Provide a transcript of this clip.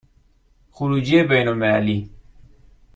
خروجی بین المللی